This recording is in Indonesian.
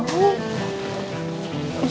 neng minum obat dulu ya